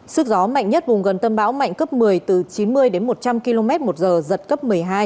sức gió mạnh nhất vùng gần tâm bão mạnh cấp một mươi từ chín mươi đến một trăm linh km một giờ giật cấp một mươi hai